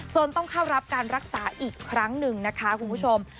ต้องเข้ารับการรักษาอีกครั้งหนึ่งนะคะคุณผู้ชม